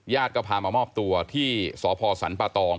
ก็พามามอบตัวที่สพสรรปะตอง